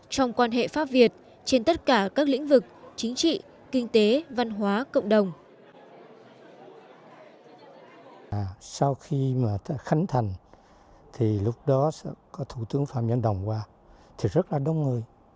trong quan hệ pháp việt trên tất cả các lĩnh vực chính trị kinh tế văn hóa cộng đồng